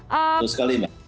tentu sekali mbak